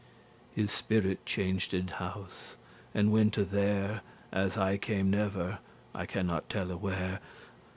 His spirit changed house, and wente there, As I came never I cannot telle where.